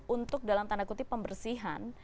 untuk dalam tanda kutip pembersihan